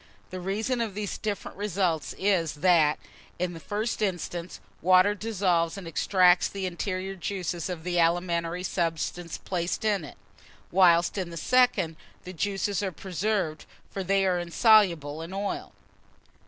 The reason of these different results is, that, in the first instance, water dissolves and extracts the interior juices of the alimentary substances placed in it; whilst, in the second, the juices are preserved; for they are insoluble in oil.